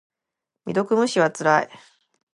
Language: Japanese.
未読無視はつらい。